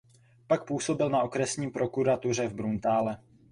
Pak působil na okresní prokuratuře v Bruntále.